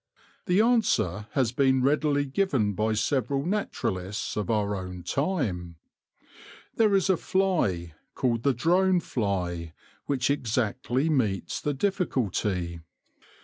The answer has been readily given by several naturalists of our own time. There is a fly, called the drone fly, which exactly meets the difficulty.